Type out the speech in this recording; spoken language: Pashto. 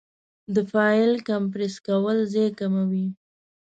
د فایل کمپریس کول ځای کموي.